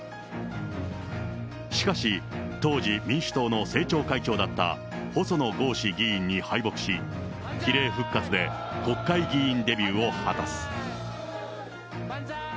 しかし、当時、民主党の政調会長だった細野豪志議員に敗北し、比例復活で国会議員デビューを果たす。